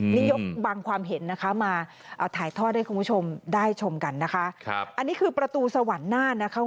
นี่ยกบางความเห็นนะคะมาถ่ายทอดให้คุณผู้ชมได้ชมกันนะคะอันนี้คือประตูสวรรค์หน้านะคะ